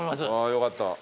よかった。